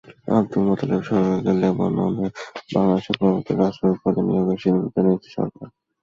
আবদুল মোতালেব সরকারকে লেবাননে বাংলাদেশের পরবর্তী রাষ্ট্রদূত পদে নিয়োগের সিদ্ধান্ত নিয়েছে সরকার।